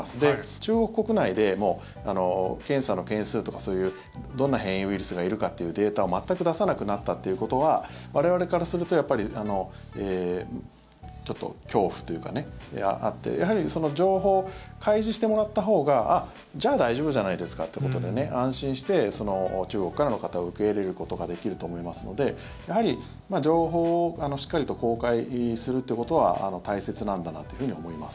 中国国内でもう検査の件数とかどんな変異ウイルスがいるかというデータを全く出さなくなったということは我々からするとやっぱりちょっと恐怖というか、あってやはり情報を開示してもらったほうがあっ、じゃあ大丈夫じゃないですかってことで安心して中国からの方を受け入れることができると思いますのでやはり情報をしっかりと公開するということは大切なんだなというふうに思います。